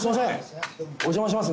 「お邪魔します。